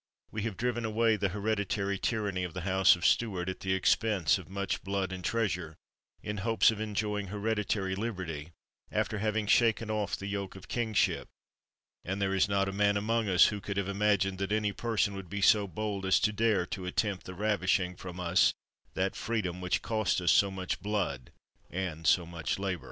We have driven away the hereditary tyranny of the house of Stuart, at the expense of much blood and treas ure, in hopes of enjoying hereditary liberty, after having shaken off the yoke of kingship; and there is not a man among us who could have imagined that any person would be so bold as to dare to attempt the ravishing from us that freedom which cost us so much blood and so much labor.